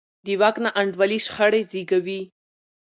د واک ناانډولي شخړې زېږوي